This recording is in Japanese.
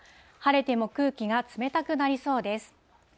晴れても空気が冷たくなりそうです。